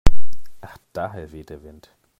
Ach daher weht der Wind.